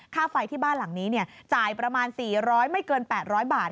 ค่าไฟที่บ้านหลังนี้จ่ายประมาณ๔๐๐ไม่เกิน๘๐๐บาท